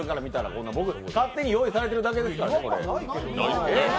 僕、勝手に用意されているだけですからね。